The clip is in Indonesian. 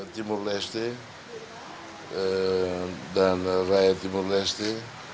timur reste dan rakyat timur reste